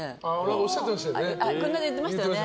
おっしゃってましたよね。